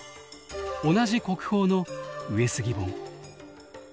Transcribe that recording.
同じ国宝の「上杉本」。